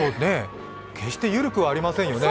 決して、ゆるくはありませんよね。